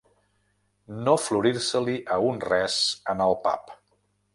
No florir-se-li a un res en el pap.